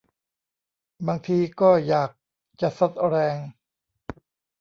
บางทีก็อยากจะซัดแรง